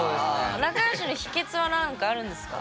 仲よしの秘けつは何かあるんですか？